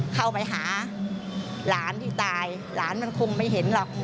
เข้าไปหาหลานที่ตายหลานมันคงไม่เห็นหรอก